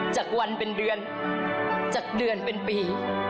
จากวันเป็นเดือนจากเดือนเป็นปี